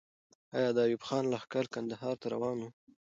آیا د ایوب خان لښکر کندهار ته روان وو؟